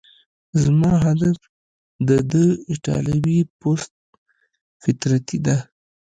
زما هدف د ده ایټالوي پست فطرتي ده.